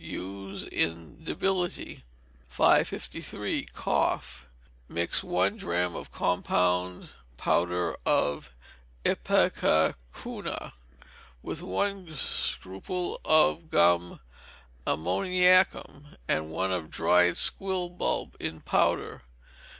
Use in debility. 553. Cough. Mix one drachm of compound powder of ipecacuanha with one scruple of gum ammoniacum and one of dried squill bulb in powder.